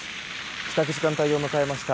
帰宅時間帯を迎えました。